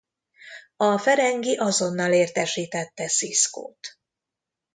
A ferengi azonnal értesítette Siskot.